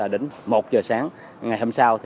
đến một h sáng ngày hôm sau